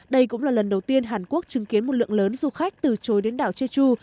đây cũng là lần đầu tiên hàn quốc chứng kiến một lượng lớn du khách từ chối đến đảo jeju